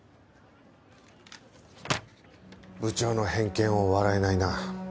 部長の偏見を笑えないな。